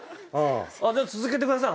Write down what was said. じゃあ続けてください。